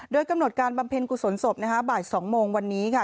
โดยกำหนดการบำเพ็ญกุศลศพนะคะบ่าย๒โมงวันนี้ค่ะ